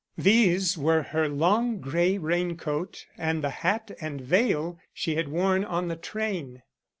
These were her long gray rain coat and the hat and veil she had worn on the train.